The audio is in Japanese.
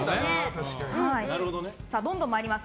どんどん参ります。